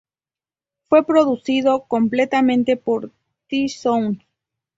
Fue producido completamente por The Sounds.